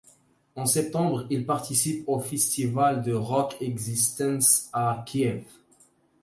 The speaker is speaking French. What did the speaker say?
En septembre, ils participent au festival de Rock-Existence à Kiev.